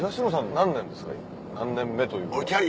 何年目というか。